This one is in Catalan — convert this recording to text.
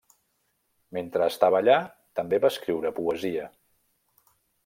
Mentre estava allà, també va escriure poesia.